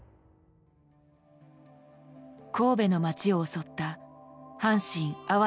神戸の町を襲った阪神・淡路大震災。